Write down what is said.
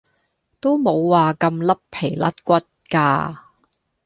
都冇話咁甩皮甩骨㗎